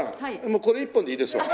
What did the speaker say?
もうこれ１本でいいですよ。